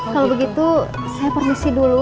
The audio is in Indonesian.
kalau begitu saya permisi dulu